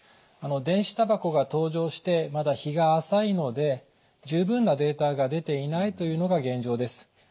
電子タバコが登場してまだ日が浅いので十分なデータが出ていないというのが現状です。